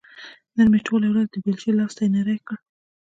نن مې ټوله ورځ د بېلچې لاستي نري کړ.